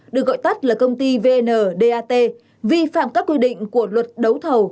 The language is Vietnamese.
được gọi tắt là công ty vndat vi phạm các quy định của luật đấu thầu